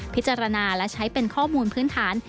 พิจารณาและใช้เป็นข้อมูลพื้นฐาน